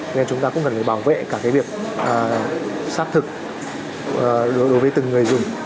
cho nên chúng ta cũng cần phải bảo vệ cả cái việc xác thực đối với từng người dùng